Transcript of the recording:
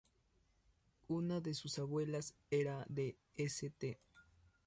Una de sus abuelas era de St.